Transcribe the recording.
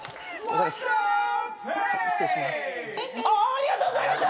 ありがとうございます！